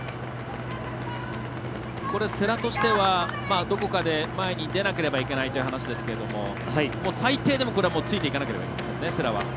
世羅としては、どこかで前に出なければいけないという話ですけれども、最低でもついていかなければいけないですね、世羅は。